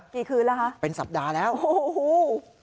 กี่คืนแล้วคะเป็นสัปดาห์แล้วโอ้โห